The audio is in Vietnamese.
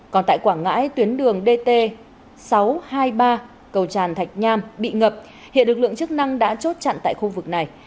còn tại quảng ngãi tuyến đường dt sáu trăm hai mươi ba cầu tràn thạch nham bị ngập hiện lực lượng chức năng đã chốt chặn tại khu vực này